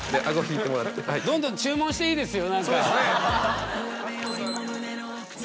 どんどん注文していいですよ。